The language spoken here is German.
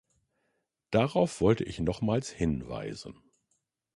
Darauf wollte ich nochmals hinweisen.